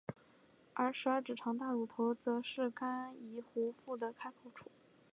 而十二指肠大乳头则是肝胰壶腹的开口处。